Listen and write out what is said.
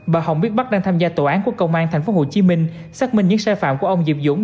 bà hồng biết bắt đang tham gia tòa án của công an tp hcm xác minh những sai phạm của ông diệp dũng